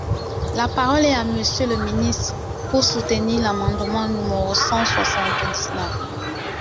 La parole est à Monsieur le ministre, pour soutenir l’amendement numéro cent soixante-dix-neuf.